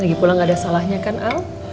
lagi pulang gak ada salahnya kan al